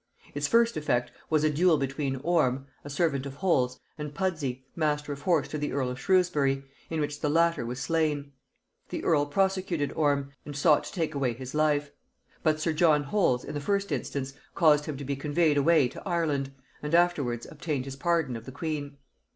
Its first effect was a duel between Orme, a servant of Holles, and Pudsey, master of horse to the earl of Shrewsbury, in which the latter was slain. The earl prosecuted Orme, and sought to take away his life; but sir John Holles in the first instance caused him to be conveyed away to Ireland, and afterwards obtained his pardon of the queen.